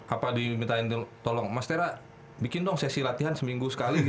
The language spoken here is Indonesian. apa dimintain tolong mas tera bikin dong sesi latihan seminggu sekali